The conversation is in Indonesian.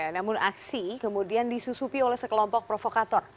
namun aksi kemudian disusupi oleh sekelompok provokator